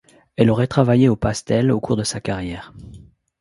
Elle aurait travaillé au pastel, au cours de sa carrière.